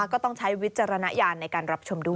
ก็ต้องใช้วิจารณญาณในการรับชมด้วย